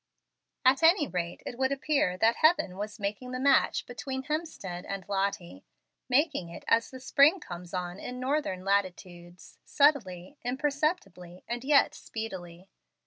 At any rate, it would appear that Heaven was making the match between Hemstead and Lottie, making it as the spring comes on in northern latitudes, subtilely, imperceptibly, and yet speedily.